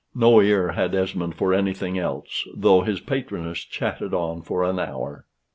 No ear had Esmond for anything else, though his patroness chatted on for an hour.